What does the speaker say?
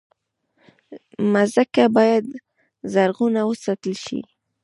مځکه باید زرغونه وساتل شي.